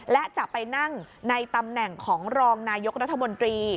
และจะไปนั่งในตำแหน่งของรองนายกรัฐมนตรี